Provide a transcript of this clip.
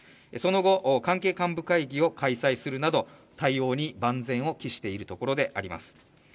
その後、関係幹部会議を開催するなど対応に万全を期しているところであります。